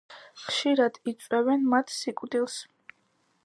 ხშირად იწვევენ მათ სიკვდილს.